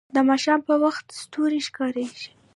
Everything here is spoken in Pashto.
د ماښام په وخت ستوري ښکاري